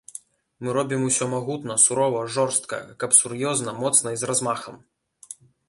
Мы робім усё магутна, сурова, жорстка, каб сур'ёзна, моцна і з размахам.